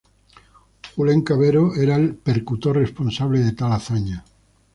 Julen Cavero era el percutor responsable de tal hazaña.